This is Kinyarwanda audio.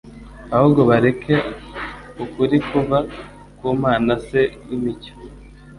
ahubwo bareka ukuri kuva ku Mana Se w'imicyo.